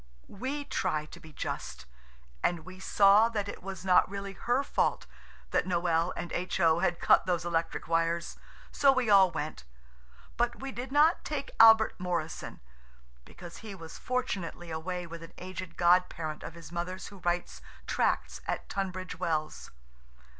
We try to be just, and we saw that it was not really her fault that Noël and H.O. had cut those electric wires, so we all went; but we did not take Albert Morrison, because he was fortunately away with an aged god parent of his mother's who writes tracts at Tunbridge Wells.